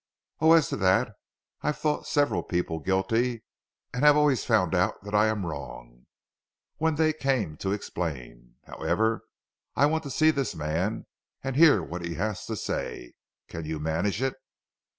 "Oh, as to that, I've thought several people guilty and have always found out that I am wrong, when they came to explain. However, I want to see this man and hear what he has to say. Can you manage it?"